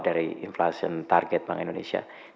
dari inflation target bank indonesia